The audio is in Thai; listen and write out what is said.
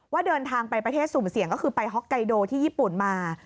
เดินทางไปประเทศสุ่มเสี่ยงก็คือไปฮอกไกโดที่ญี่ปุ่นมา